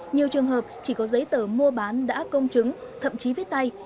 nhiều trường hợp chỉ có giấy tờ mua bán đã công chứng thậm chí viết tay